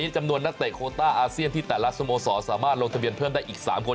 จำนวนนักเตะโคต้าอาเซียนที่แต่ละสโมสรสามารถลงทะเบียนเพิ่มได้อีก๓คน